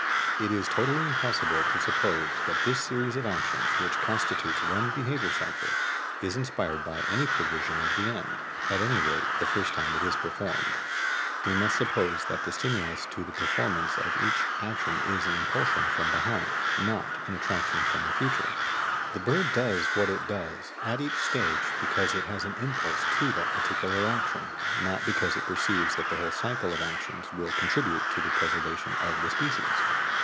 It is totally impossible to suppose that this series of actions, which constitutes one behaviour cycle, is inspired by any prevision of the end, at any rate the first time it is performed.* We must suppose that the stimulus to the performance of each act is an impulsion from behind, not an attraction from the future. The bird does what it does, at each stage, because it has an impulse to that particular action, not because it perceives that the whole cycle of actions will contribute to the preservation of the species.